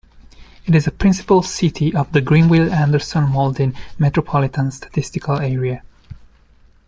It is a principal city of the Greenville-Anderson-Mauldin Metropolitan Statistical Area.